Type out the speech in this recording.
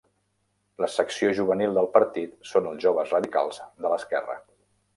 La secció juvenil del partit són el Joves Radicals de l'Esquerra.